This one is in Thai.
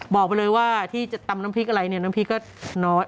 บอกไปเลยว่าที่จะตำน้ำพริกอะไรเนี่ยน้ำพริกก็น้อย